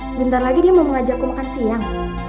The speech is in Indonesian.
sebentar lagi dia mau mengajakku makan siang